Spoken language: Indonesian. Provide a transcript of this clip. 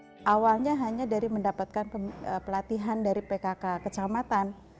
yang terakhirnya hanya dari mendapatkan pelatihan dari pkk kecamatan